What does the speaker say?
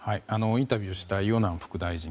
インタビューしたイオナン副大臣